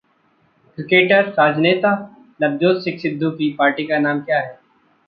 Cricketer, राजनेता नवजोत सिंह सिद्धू की party का नाम क्या है?